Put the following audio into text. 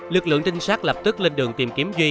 lực lượng trinh sát lập tức lên đường tìm kiếm duy